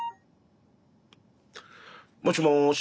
もしもし。